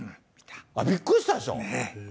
びっくりしたでしょ？